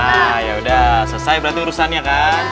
nah yaudah selesai berarti urusannya kan